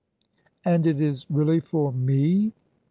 "And it is really for me!"